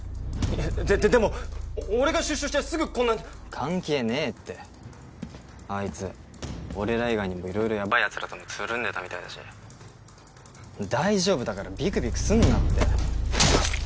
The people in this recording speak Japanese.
でででも俺が出所してすぐこんな関係ねえってあいつ俺ら以外にも色々ヤバイヤツらともつるんでたみたいだし大丈夫だからビクビクすんなって